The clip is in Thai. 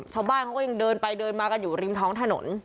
ชาวบ้านเขาก็ยังเดินไปเดินมากันอยู่ริมท้องถนน